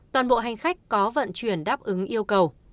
toàn bộ hành khách có vận chuyển đáp ứng yêu cầu